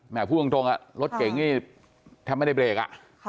แหมกผู้ตรงอ่ะรถเก่งนี่แทบไม่ได้เบรกอ่ะค่ะ